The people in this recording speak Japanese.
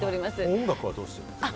音楽はどうされてるんですか？